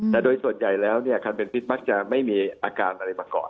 แต่โดยส่วนใหญ่แล้วคันเป็นพิษมักจะไม่มีอาการอะไรมาก่อน